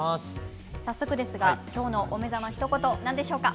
早速ですが今日の「おめざ」のひと言何でしょうか？